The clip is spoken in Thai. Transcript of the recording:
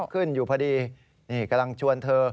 ขึ้นอยู่พอดีนี่กำลังชวนเธอ